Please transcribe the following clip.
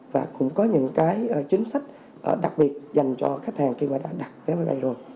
và cũng có những cái chính sách đặc biệt dành cho khách hàng khi mà đã đặt cái máy bay rồi